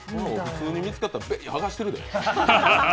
普通に見つけたら剥がしてるで。